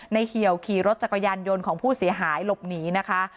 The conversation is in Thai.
เหี่ยวขี่รถจักรยานยนต์ของผู้เสียหายหลบหนีนะคะ